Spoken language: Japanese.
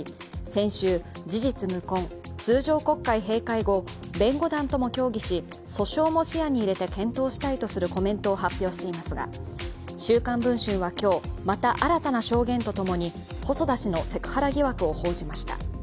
先週、事実無根、通常国会閉会後、弁護団とも協議し、訴訟も視野に入れて検討したいとするコメントを発表していますが、「週刊文春」は今日、また新たな証言と共に細田氏のセクハラ疑惑を報じました。